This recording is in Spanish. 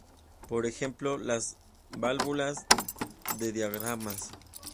Por Ejemplo las Válvulas de Diafragmas.